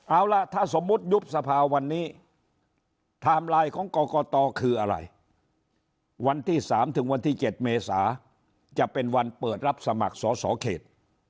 เอาล่ะถ้าสมมุติยุบสภาวันนี้ไทม์ไลน์ของกรกตคืออะไรวันที่๓ถึงวันที่๗เมษาจะเป็นวันเปิดรับสมัครสอสอเขต